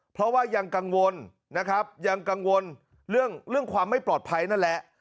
เพราะว่ายังกังวลนะครับยังกังวลเรื่องความไม่ปลอดภัยนั่นแหละ